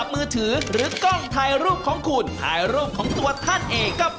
อ๋อเป็นมิตรครับ